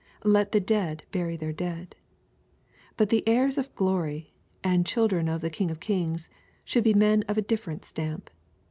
" Let the dead bury their dead." — But the heirs of glory, and children of the King of kings, should be men of a differ ent stamp.